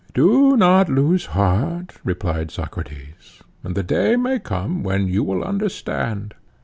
Do not lose heart, replied Socrates, and the day may come when you will understand.